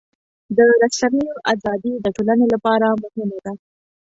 د رسنیو ازادي د ټولنې لپاره مهمه ده.